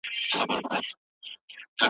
ماشوم باید منظم وي.